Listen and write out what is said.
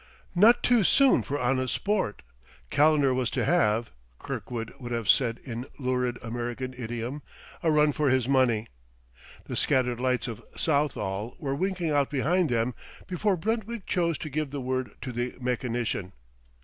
Not too soon for honest sport; Calendar was to have (Kirkwood would have said in lurid American idiom) a run for his money. The scattered lights of Southall were winking out behind them before Brentwick chose to give the word to the mechanician.